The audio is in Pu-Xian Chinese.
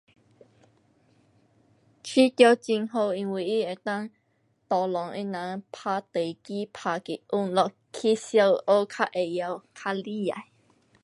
较多很好因为它能够 tolong 他人打地基，打给稳了起小学较会晓，较厉害。